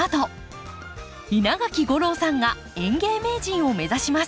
稲垣吾郎さんが園芸名人を目指します。